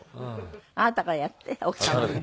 あなたからやって奥様に。